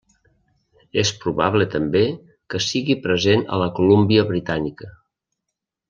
És probable també que sigui present a la Colúmbia Britànica.